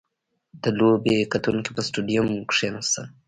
• د لوبې کتونکي په سټېډیوم کښېناستل.